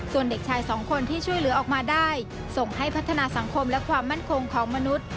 ส่วนเด็กชายสองคนที่ช่วยเหลือออกมาได้ส่งให้พัฒนาสังคมและความมั่นคงของมนุษย์